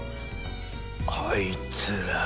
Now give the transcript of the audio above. あいつら。